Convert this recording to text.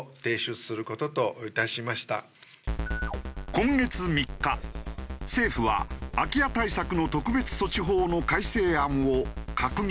今月３日政府は空き家対策の特別措置法の改正案を閣議決定。